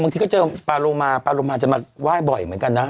บางทีก็เจอปลารมณ์ปลารมณ์จะมาไหว้บ่อยเหมือนกันนะ